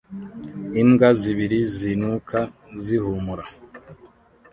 Imbwa zibiri zinuka zihumura